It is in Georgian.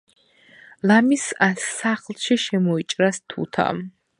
ლამის სახლში შემოიჭრას თუთა